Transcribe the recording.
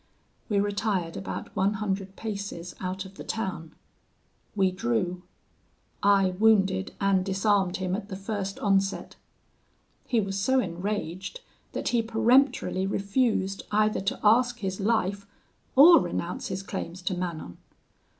"We retired about one hundred paces out of the town. We drew: I wounded and disarmed him at the first onset. He was so enraged, that he peremptorily refused either to ask his life or renounce his claims to Manon.